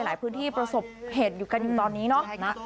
หลายพื้นที่ประสบเหตุอยู่ตอนนี้นะ